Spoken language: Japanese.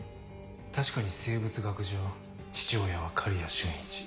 確かに生物学上父親は刈谷俊一。